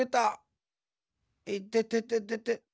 いててててて。